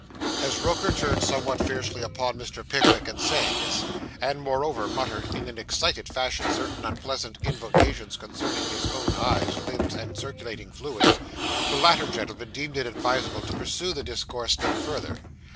As Roker turned somewhat fiercely upon Mr. Pickwick in saying this, and moreover muttered in an excited fashion certain unpleasant invocations concerning his own eyes, limbs, and circulating fluids, the latter gentleman deemed it advisable to pursue the discourse no further.